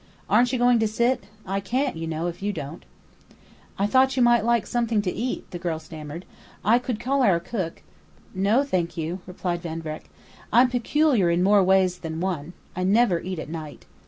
Aren't you going to sit? I can't, you know, if you don't." "I thought you might like something to eat," the girl stammered. "I could call our cook " "No, thank you," replied Van Vreck. "I'm peculiar in more ways than one. I never eat at night.